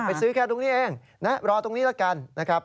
ไปซื้อแค่ตรงนี้เองรอตรงนี้แล้วกัน